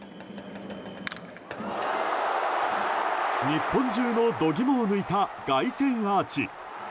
日本中の度肝を抜いた凱旋アーチ。